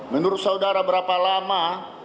menurut saudara berapa lama